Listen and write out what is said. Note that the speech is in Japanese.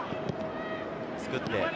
作って。